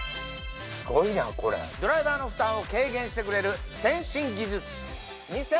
ドライバーの負担を軽減してくれる先進技術